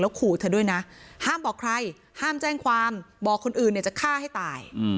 ขู่เธอด้วยนะห้ามบอกใครห้ามแจ้งความบอกคนอื่นเนี่ยจะฆ่าให้ตาย